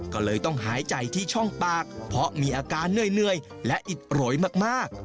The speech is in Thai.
ก็เลยต้องหายใจที่ช่องปากเพราะมีอาการเหนื่อยและอิดโรยมาก